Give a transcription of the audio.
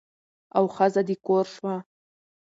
او ښځه د کور شوه.